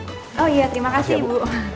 oh iya terima kasih ibu